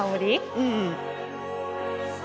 うん。